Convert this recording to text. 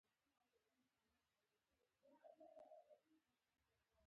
ما پوره کوشش کړی صيب.